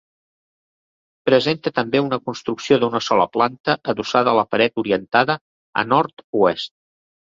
Presenta també una construcció d'una sola planta adossada a la paret orientada a nord-oest.